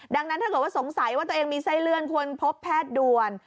ดังนั้นถ้าเกิดว่าสงสัยว่าตัวเองมีไส้เลื่อนควรพบแพทย์ด่วน